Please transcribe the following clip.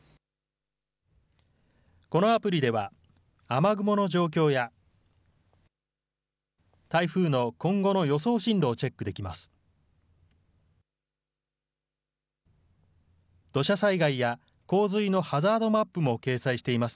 このアプリでは雨雲の状況や台風の今後の予想進路をチェックできます。